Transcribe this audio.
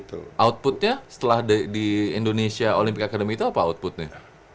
outputnya setelah di indonesia olympic academy itu apa outputnya